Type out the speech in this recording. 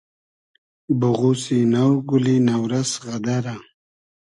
بوغوسی نۆ , گولی نۆ رئس غئدئرۂ